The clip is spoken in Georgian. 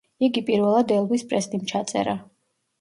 იგი პირველად ელვის პრესლიმ ჩაწერა.